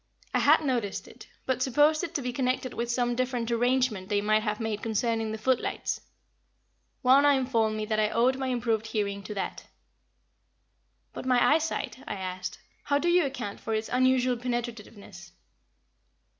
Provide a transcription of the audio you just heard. I had noticed it, but supposed it to be connected with some different arrangement they might have made concerning the footlights. Wauna informed me that I owed my improved hearing to that. "But my eyesight," I asked, "how do you account for its unusual penetrativeness?"